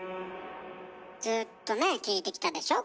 ずっとね聞いてきたでしょ？